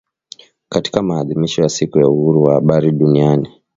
Katika maadhimisho ya siku ya Uhuru wa Habari Duniani